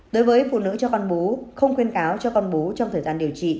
đối với phụ nữ cho con bú